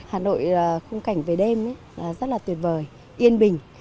hà nội khung cảnh về đêm rất là tuyệt vời yên bình